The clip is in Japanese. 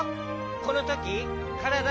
このときからだ